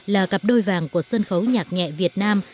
là cặp đôi vàng của sân khấu nhạc nhẹ việt nam